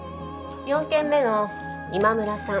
４件目の今村さん